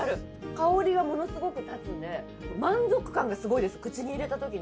香りがものすごく立つんで満足感がすごいです口に入れた時の。